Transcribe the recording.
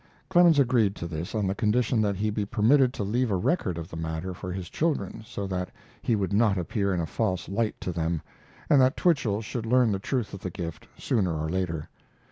Clemens agreed to this on the condition that he be permitted to leave a record of the matter for his children, so that he would not appear in a false light to them, and that Twichell should learn the truth of the gift, sooner or later.